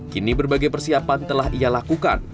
kini berbagai persiapan telah ia lakukan